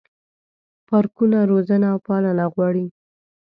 پارکونه روزنه او پالنه غواړي.